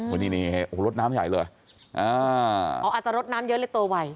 วันนี้นี่โอ้โหรถน้ำใหญ่เลยอ่าอ๋ออาจจะลดน้ำเยอะเลยโตไว